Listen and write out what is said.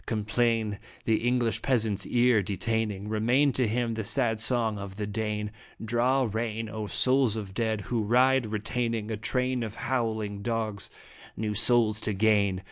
Complain the English peasant's ear detaining, Remain to him the sad song of the Dane. Draw rein, O souls of dead! who ride (retaining A train of howling dogs) new souls to gain.